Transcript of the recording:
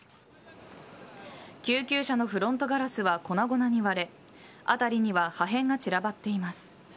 救急車のフロントガラスは粉々に割れ辺りには破片が散らばっています。